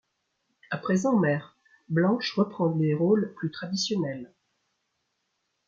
À présent mère, Blanche reprend des rôles plus traditionnels.